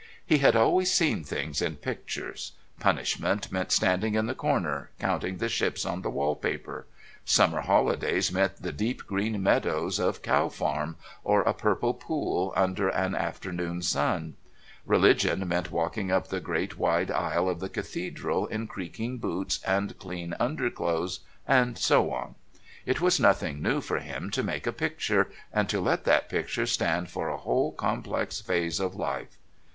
He had always seen things in pictures; punishment meant standing in the corner counting the ships on the wallpaper; summer holidays meant the deep green meadows of Cow Farm, or a purple pool under an afternoon sun; religion meant walking up the great wide aisle of the Cathedral in creaking boots and clean underclothes, and so on. It was nothing new for him to make a picture, and to let that picture stand for a whole complex phase of life.